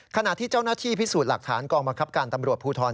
ขณะที่เจ้าหน้าที่พิสูจน์หลักฐานกองบังคับการตำรวจภูทร